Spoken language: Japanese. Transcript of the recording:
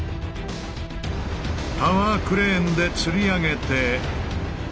タワークレーンでつり上げて。